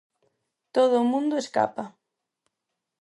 Todo o mundo escapa.